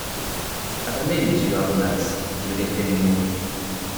Attendez, monsieur Aronnax, dit le capitaine Nemo.